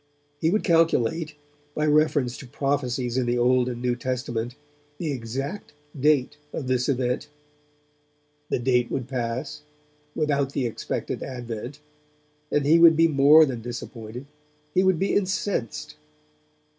He would calculate, by reference to prophecies in the Old and New Testament, the exact date of this event; the date would pass, without the expected Advent, and he would be more than disappointed, he would be incensed.